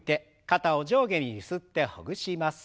肩を上下にゆすってほぐします。